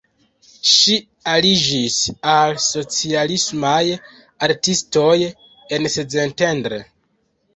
Ŝi aliĝis al socialismaj artistoj en Szentendre.